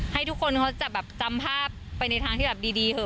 ให้ทุกคนเขาจะแบบจำภาพไปในทางที่แบบดีเถอะ